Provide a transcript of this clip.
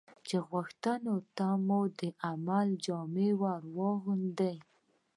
چې غوښتنو ته مو د عمل جامه ور واغوندي.